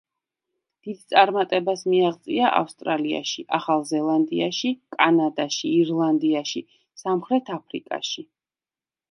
დიდ წარმატებას მიაღწია ავსტრალიაში, ახალ ზელანდიაში, კანადაში, ირლანდიაში, სამხრეთ აფრიკაში.